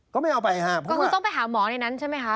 ก็ไม่เอาไปห้ามเพราะว่าก็คือต้องไปหาหมอในนั้นใช่ไหมคะ